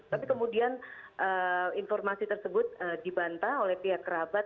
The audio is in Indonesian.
tapi kemudian informasi tersebut dibantah oleh pihak kerabat